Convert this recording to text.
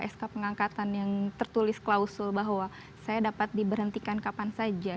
sk pengangkatan yang tertulis klausul bahwa saya dapat diberhentikan kapan saja